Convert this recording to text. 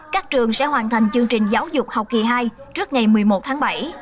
các trường sẽ hoàn thành chương trình giáo dục học kỳ hai trước ngày một mươi một tháng bảy